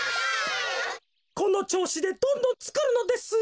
このちょうしでどんどんつくるのですよ。